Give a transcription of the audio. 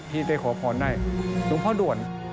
ที่ได้ขอพรได้หลวงพ่อด่วน